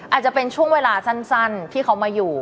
อาจจะเป็นช่วงเวลาสั้นที่เขามาอยู่